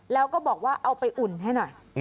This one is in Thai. แล้วก็บอกว่าเอาไปอุ่นให้หน่อย